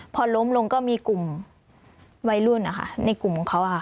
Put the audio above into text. พอล้มลงก็มีกลุ่มวัยรุ่นในกลุ่มของเขา